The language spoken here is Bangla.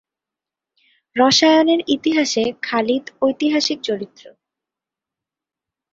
রসায়নের ইতিহাসে খালিদ ঐতিহাসিক চরিত্র।